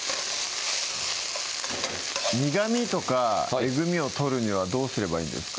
苦みとかえぐみを取るにはどうすればいいんですか？